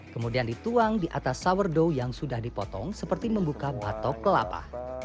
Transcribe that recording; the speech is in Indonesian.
kemudian dituang di atas sourdow yang sudah dipotong seperti membuka batok kelapa